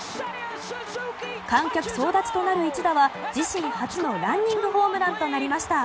観客総立ちとなる一打は自身初のランニングホームランとなりました。